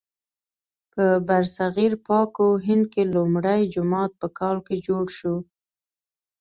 په برصغیر پاک و هند کې لومړی جومات په کال کې جوړ شو.